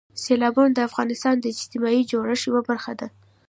سیلابونه د افغانستان د اجتماعي جوړښت یوه برخه ده.